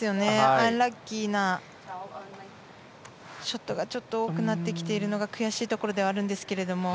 アンラッキーなショットがちょっと多くなってきているのが悔しいところではあるんですけれども。